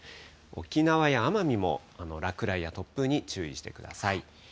沖縄や奄美も落雷や突風に注意してください。